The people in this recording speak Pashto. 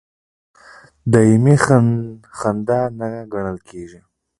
دایمي خنډ نه ګڼل کېدی.